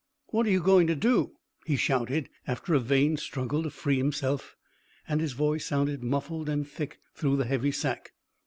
"What are you going to do?" he shouted, after a vain struggle to free himself, and his voice sounded muffled and thick through the heavy sack.